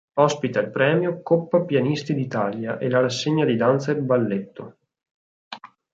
Ospita il premio "Coppa Pianisti d'Italia" e la rassegna di danza e balletto.